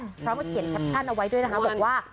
พร้อมกับเขียนแคปชั่นเอาไว้ด้วยนะคะบอกว่า